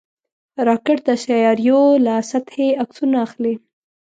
راکټ د سیارویو له سطحې عکسونه اخلي